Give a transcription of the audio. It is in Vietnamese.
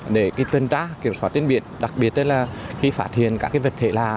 để tân trá kiểm soát trên biển đặc biệt là khi phát hiện các vật thể lạ